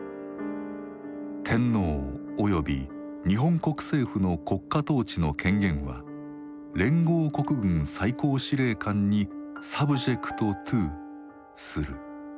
天皇および日本国政府の国家統治の権限は連合国軍最高司令官に「ｓｕｂｊｅｃｔｔｏ」する。